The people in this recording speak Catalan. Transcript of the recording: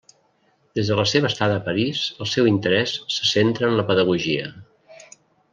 Des de la seva estada a París, el seu interès se centra en la pedagogia.